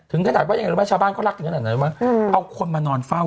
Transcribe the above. ถึงขนาดว่ายังไงรู้มั้ยชาวบ้านก็รักอย่างนั้น